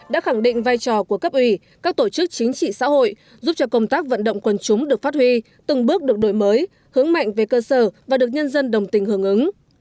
đổi mới hướng mạnh về cơ sở và được nhân dân đồng tình hướng ứng